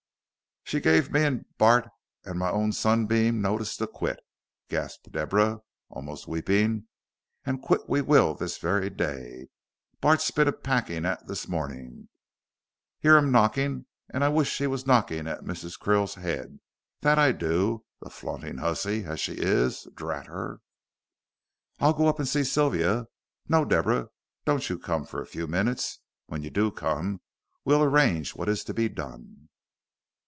She guv me and Bart and my own sunbeam notice to quit," gasped Deborah, almost weeping, "an' quit we will this very day, Bart bein' a packin' at this momingt. 'Ear 'im knocking, and I wish he wos a knockin' at Mrs. Krill's 'ead, that I do, the flauntin' hussy as she is, drat her." "I'll go up and see Sylvia. No, Deborah, don't you come for a few minutes. When you do come we'll arrange what is to be done."